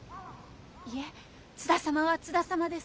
いえ津田様は津田様です。